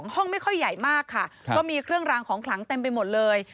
ห้องไม่ค่อยใหญ่มากค่ะก็มีเครื่องรางของขลังเต็มไปหมดเลย